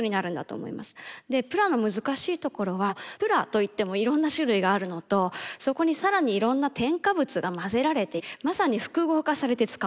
でプラの難しいところは「プラ」と言ってもいろんな種類があるのとそこに更にいろんな添加物が混ぜられてまさに複合化されて使われてると。